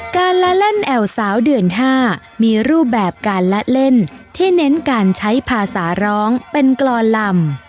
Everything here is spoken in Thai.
การละเล่นแอวสาวเดือน๕มีรูปแบบการละเล่นที่เน้นการใช้ภาษาร้องเป็นกรอนลำ